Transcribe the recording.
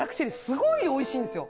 すごいおいしいんですよ。